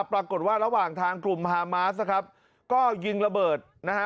ปรากฏว่าระหว่างทางกลุ่มฮามาสนะครับก็ยิงระเบิดนะฮะ